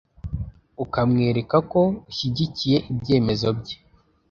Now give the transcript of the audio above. ukamwereka ko ushyigikiye ibyemezo bye